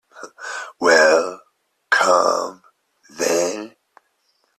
Well, come, then.